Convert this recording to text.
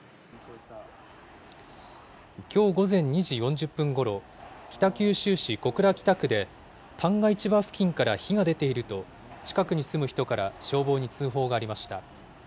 きょう午前２時４０分ごろ、北九州市小倉北区で、旦過市場付近から火が出ていると、近くに住む人から消防に通報がありました。